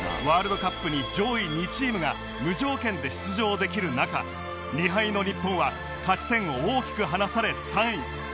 ワールドカップに上位２チームが無条件で出場できる中２敗の日本は勝ち点を大きく離され３位